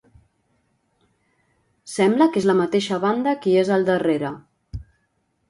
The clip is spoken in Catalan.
Sembla que és la mateixa banda qui és al darrera.